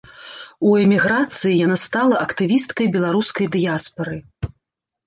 У эміграцыі яна стала актывісткай беларускай дыяспары.